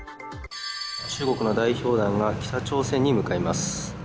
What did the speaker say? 中国の代表団が北朝鮮に向かいます